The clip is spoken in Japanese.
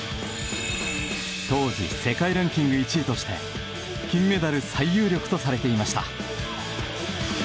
当時、世界ランキング１位として金メダル最有力とされていました。